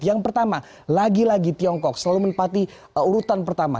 yang pertama lagi lagi tiongkok selalu menempati urutan pertama